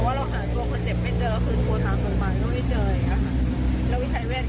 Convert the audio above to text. แต่ว่าเราหาตัวคนเจ็บไม่เจอก็คือตัวตาขึ้นมาแล้วไม่เจออย่างนี้ค่ะ